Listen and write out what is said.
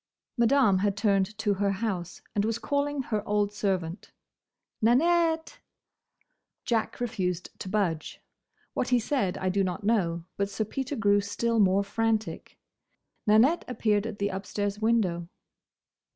Madame had turned to her house and was calling her old servant. "Nanette!" Jack refused to budge. What he said I do not know; but Sir Peter grew still more frantic. Nanette appeared at the upstairs window.